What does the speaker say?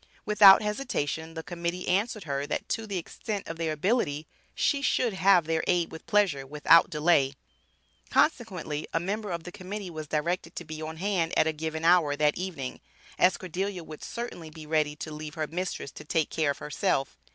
Without hesitation the Committee answered her, that to the extent of their ability, she should have their aid with pleasure, without delay. Consequently a member of the Committee was directed to be on hand at a given hour that evening, as Cordelia would certainly be ready to leave her mistress to take care of herself.